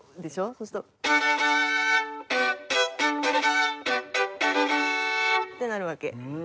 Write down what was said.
そうすると。ってなるわけ。